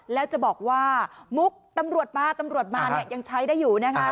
แล้วจะบอกว่ามุกตำรวจมาตำรวจมาเนี่ยยังใช้ได้อยู่นะคะ